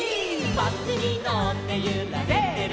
「バスにのってゆられてる」